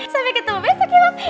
sampai ketemu besok ya bang